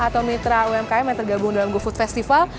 atau mitra umkm yang tergabung dalam gofood festival